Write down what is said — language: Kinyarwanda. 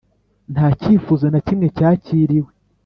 Nta cyifuzo na kimwe cyakiriwe